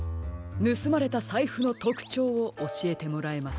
ぬすまれたさいふのとくちょうをおしえてもらえますか。